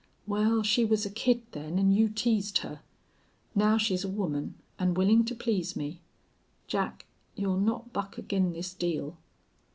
"Wal, she was a kid then an' you teased her. Now she's a woman, an' willin' to please me. Jack, you'll not buck ag'in' this deal?"